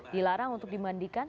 dilarang untuk dimandikan